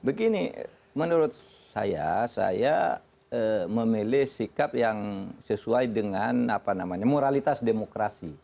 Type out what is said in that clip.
begini menurut saya saya memilih sikap yang sesuai dengan moralitas demokrasi